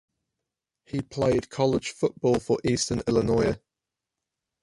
He played college football for Eastern Illinois.